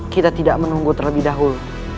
kita tidak menunggu terlebih dahulu